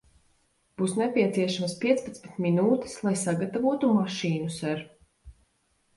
Būs nepieciešamas piecpadsmit minūtes, lai sagatavotu mašīnu, ser.